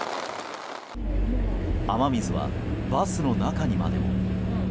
雨水はバスの中にまで。